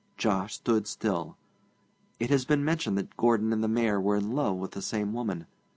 Jos stood still. It has been mentioned that Gordon and the Mayor were in love with the same woman.